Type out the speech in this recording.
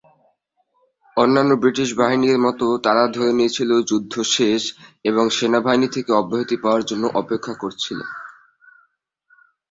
অন্যান্য ব্রিটিশ বাহিনী এর মতো তারাও ধরে নিয়েছিল যুদ্ধ শেষ এবং সেনাবাহিনী থেকে অব্যাহতি পাওয়ার জন্য অপেক্ষা করছিল।